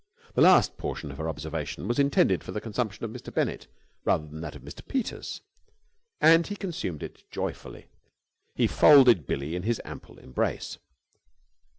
The last portion of her observation was intended for the consumption of Mr. Bennett, rather than that of Mr. Peters, and he consumed it joyfully. He folded Billie in his ample embrace.